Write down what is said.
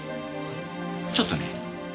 ちょっとね。